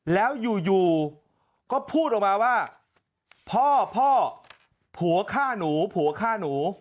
แล้วอยู่ก็พูดออกมาว่าพ่อพ่อผัวฆ่าหนูผัวฆ่าหนู